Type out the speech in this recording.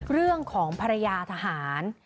เรื่องของภรรยาทหาร